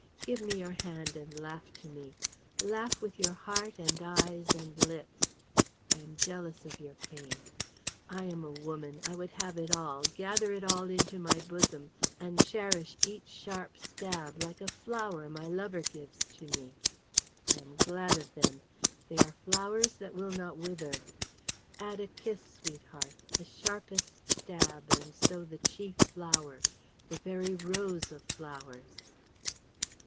Give me your hand and laugh to me; laugh with your heart and eyes and lips. I am jealous of your pain. I am a woman. I would have it all, gather it all into my bosom, and cherish each sharp stab like a flower my lover gives to me. I am glad of them. They are flowers that will not wither. Add a kiss, sweetheart, the sharpest stab, and so the chief flower, the very rose of flowers.